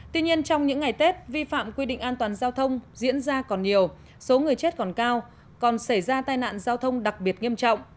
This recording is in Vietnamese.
tuy nhiên trong những ngày tết vi phạm quy định an toàn giao thông diễn ra còn nhiều số người chết còn cao còn xảy ra tai nạn giao thông đặc biệt nghiêm trọng